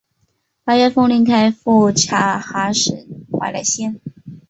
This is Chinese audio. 八月奉令开赴察哈尔省怀来县。